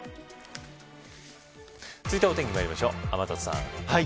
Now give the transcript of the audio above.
続いては、お天気まいりましょう天達さん。